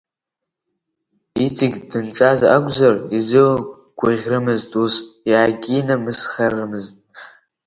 Иҵегь данҿаз акәзар, изыгәаӷьрымызт ус, иагьинамысхарымызт.